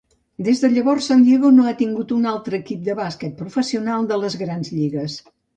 Des de llavors, San Diego no ha tingut un altre equip de bàsquet professional de les grans lligues.